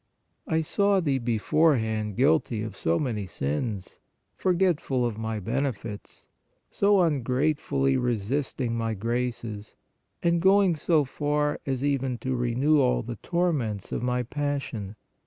" I saw thee beforehand guilty of so many sins, forgetful of My benefits, so ungratefully resisting My graces, and going so far as even to renew all the torments of My passion!